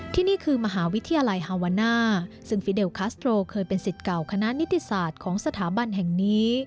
ที่นี่คือมหาวิทยาลัยฮาวาน่าซึ่งฟิเดลคัสโตรเคยเป็นสิทธิ์เก่าคณะนิติศาสตร์ของสถาบันแห่งนี้